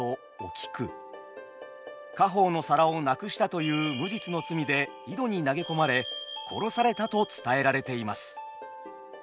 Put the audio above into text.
家宝の皿をなくしたという無実の罪で井戸に投げ込まれ殺されたと伝えられています。